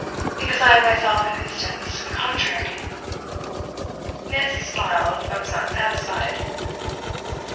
'Because I am myself an instance to the contrary.' Nancy smiled, but was not satisfied.